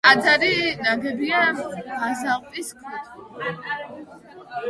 ტაძარი ნაგებია ბაზალტის ქვით.